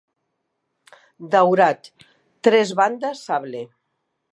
Daurat, tres bandes sable